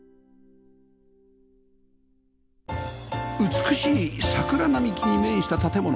美しい桜並木に面した建物